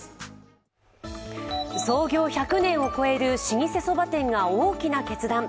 創業１００年を超える老舗そば店で大きな決断。